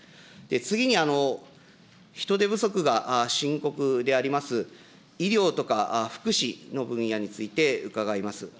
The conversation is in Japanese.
次に、人手不足が深刻であります、医療とか福祉の分野について伺います。